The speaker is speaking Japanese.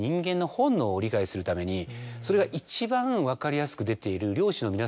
それが一番分かりやすく出ている。